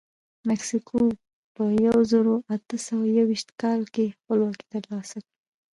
مکسیکو په یو زرو اته سوه یوویشت کال کې خپلواکي ترلاسه کړه.